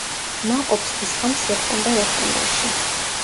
ნაყოფს ისხამს სექტემბერ-ოქტომბერში.